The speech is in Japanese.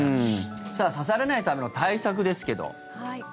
さあ、刺されないための対策ですけど。